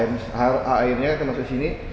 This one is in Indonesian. langsung airnya akan masuk ke sini